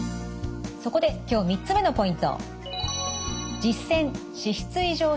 そこで今日３つ目のポイント。